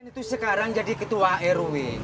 ini tuh sekarang jadi ketua rw